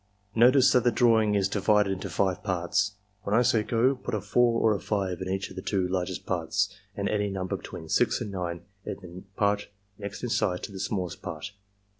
Notice that the drawing is divided into five parts. When I say 'go' put a 4 or a 5 in each of the two largest parts and any number between 6 and 9 in the part next in size to the smallest part.